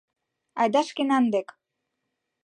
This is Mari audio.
Айда шкенан дек!